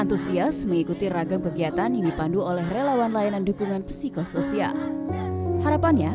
antusias mengikuti ragam kegiatan yang dipandu oleh relawan layanan dukungan psikosoial harapannya